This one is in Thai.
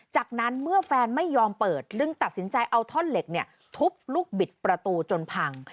จากนั้นเมื่อแฟนไม่ยอมเปิดจึงตัดสินใจเอาท่อนเหล็กเนี่ยทุบลูกบิดประตูจนพัง